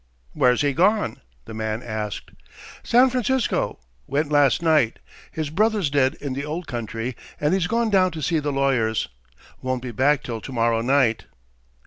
"Where's he gone?" the man asked. "San Francisco. Went last night. His brother's dead in the old country, and he's gone down to see the lawyers. Won't be back till tomorrow night."